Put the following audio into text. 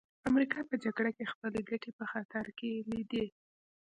امریکا په جګړه کې خپلې ګټې په خطر کې لیدې